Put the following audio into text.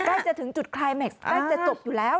ใกล้จะถึงจุดคลายเม็กซใกล้จะจบอยู่แล้ว